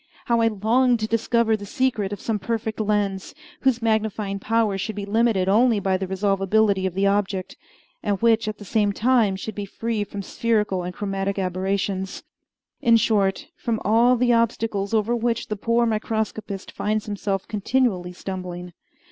How I longed to discover the secret of some perfect lens, whose magnifying power should be limited only by the resolvability of the object, and which at the same time should be free from spherical and chromatic aberrations in short, from all the obstacles over which the poor microscopist finds himself continually stumbling!